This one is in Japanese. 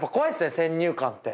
先入観って。